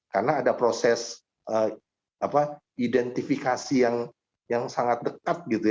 karena ada proses identifikasi yang sangat dekat